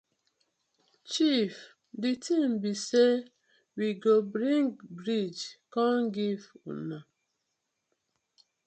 Chief di tin bi say we go bring bridge kom giv una.